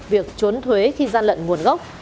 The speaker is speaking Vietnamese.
việc trốn thuế khi gian lận nguồn gốc